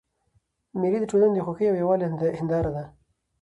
مېلې د ټولني د خوښۍ او یووالي هنداره ده.